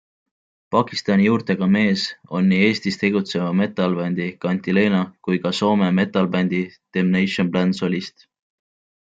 Pakistani juurtega mees on nii Eestis tegutseva metal-bändi Cantilena kui ka Soome metal-bändi Damnation Plan solist.